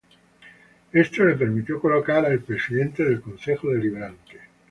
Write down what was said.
Eso le permitió colocar al presidente del Concejo Deliberante.